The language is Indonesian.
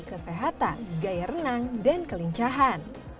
kesehatan gaya renang dan kelincahan